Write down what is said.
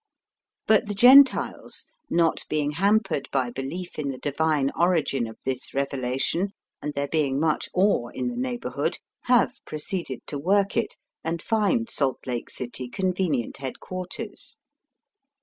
But the Gentiles, not being hampered by belief in the Divine origin of this revelation, and there being much ore in the neighbourhood, have proceeded to work it, and find Salt Lake City convenient head quarters.